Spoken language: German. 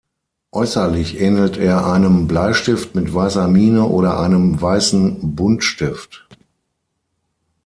Äußerlich ähnelt er einem Bleistift mit weißer Mine oder einem weißen Buntstift.